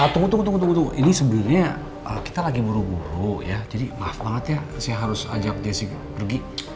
tunggu tunggu tunggu ini sebenernya kita lagi buru buru ya jadi maaf banget ya sih harus ajak jessy pergi